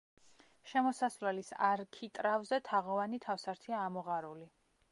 შემოსასვლელის არქიტრავზე თაღოვანი თავსართია ამოღარული.